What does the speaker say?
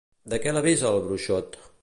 De què l'avisa el bruixot?